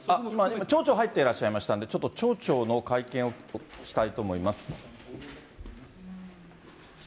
町長入っていらっしゃいましたんで、ちょっと町長の会見を聞きたいと思います。